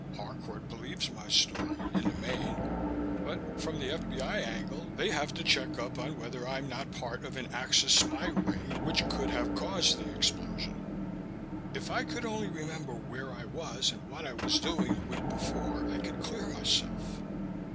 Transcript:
Harcourt believes my story, in the main, but from the F.B.I. angle they have to check up on whether I'm not part of an Axis spy ring which could have caused the explosion. If I could only remember where I was and what I was doing the week before I could clear myself."